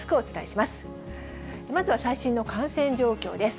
まずは最新の感染状況です。